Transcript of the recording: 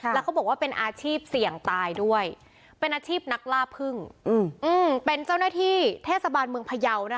แล้วเขาบอกว่าเป็นอาชีพเสี่ยงตายด้วยเป็นอาชีพนักล่าพึ่งเป็นเจ้าหน้าที่เทศบาลเมืองพยาวนะคะ